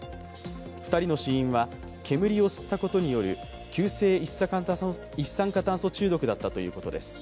２人の死因は煙を吸ったことによる急性一酸化炭素中毒だったということです。